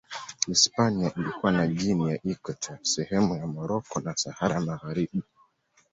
Hispania ilikuwa na Guinea ya Ikweta, sehemu za Moroko na Sahara Magharibi.